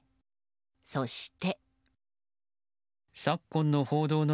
そして。